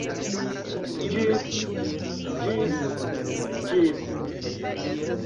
Ĝis... ĝis... ĝis...